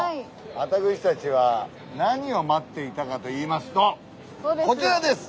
私たちは何を待っていたかといいますとこちらです。